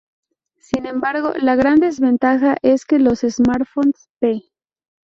Sin embargo, la gran desventaja es que los smartphones, p.